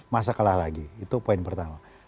masa kalah lagi itu poin pertama